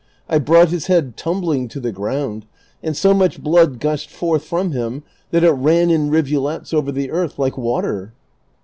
— I brought his head tumbling to the ground, and so much blood gushed forth from him that it ran in rivulets over the earth like Avater."